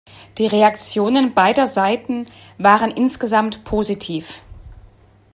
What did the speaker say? Die Reaktionen beider Seiten waren insgesamt positiv.